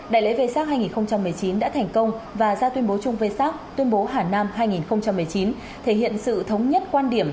đại lễ v sac hai nghìn một mươi chín đã thành công và ra tuyên bố chung về sắc tuyên bố hà nam hai nghìn một mươi chín thể hiện sự thống nhất quan điểm